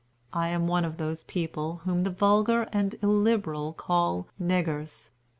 I am one of those people whom the vulgar and illiberal call 'Negurs.'